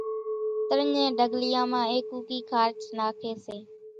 ترڃين ڍڳليان مان ايڪوڪي خارچ ناکي سي۔